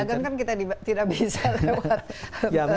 cuma dagang kan kita tidak bisa lewat vidcon